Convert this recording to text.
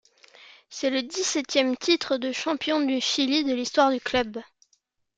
C'est le dix-septième titre de champion du Chili de l'histoire du club.